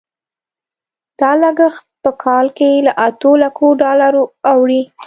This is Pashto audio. دا لګښت په کال کې له اتو لکو ډالرو اوړي.